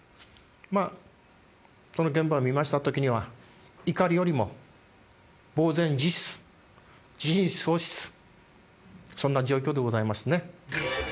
まぁその現場を見ました時には怒りよりも茫然自失自信喪失そんな状況でございますね。